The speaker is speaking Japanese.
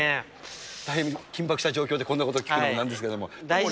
だいぶ緊迫した状況でこんなこと聞くのも何なんですけど。